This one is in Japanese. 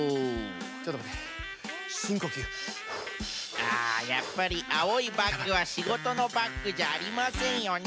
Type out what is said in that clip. あやっぱりあおいバッグはしごとのバッグじゃありませんよね。